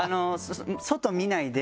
外見ないで。